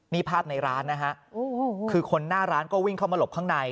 นี่ภาพในร้านนะฮะคือคนหน้าร้านก็วิ่งเข้ามาหลบข้างใน